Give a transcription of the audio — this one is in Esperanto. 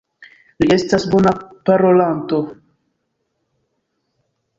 Li estas bona parolanto.